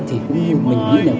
thì cũng như mình nghĩ là